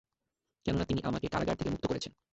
কেননা, তিনি আমাকে কারাগার থেকে মুক্ত করেছেন।